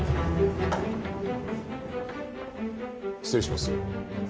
失礼します。